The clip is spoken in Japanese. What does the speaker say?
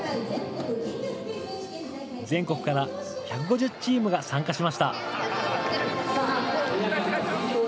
全国から１５０チームが参加しました。